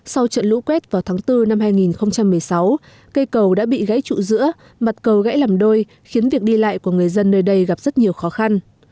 sau trận lũ quét vào tháng bốn năm hai nghìn một mươi sáu cây cầu đã bị gãy trụ giữa mặt cầu gãy làm đôi khiến việc đi lại của người dân nơi đây gặp rất nhiều khó khăn